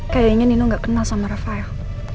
kayaknya nino gak kenal sama rafael